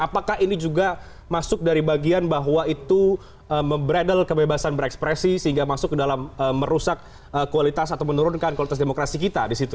apakah ini juga masuk dari bagian bahwa itu membreddle kebebasan berekspresi sehingga masuk ke dalam merusak kualitas atau menurunkan kualitas demokrasi kita di situ